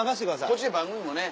こっちで番組もね。